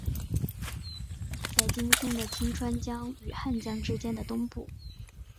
在今天的清川江与汉江之间的东部。